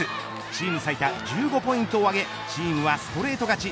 チーム最多１５ポイントを挙げチームはストレート勝ち。